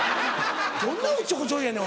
どんなおっちょこちょいやねん！